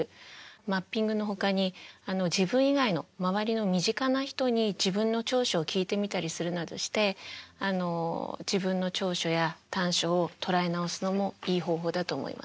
マッピングのほかに自分以外の周りの身近な人に自分の長所を聞いてみたりするなどして自分の長所や短所を捉え直すのもいい方法だと思います。